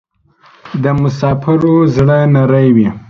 د مسافرو زړه نری وی